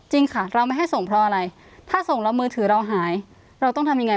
จริงค่ะเราไม่ให้ส่งเพราะอะไรถ้าส่งแล้วมือถือเราหายเราต้องทำยังไง